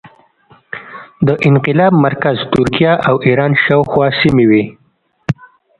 د انقلاب مرکز ترکیه او ایران شاوخوا سیمې وې.